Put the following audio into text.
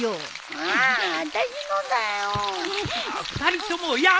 ああ。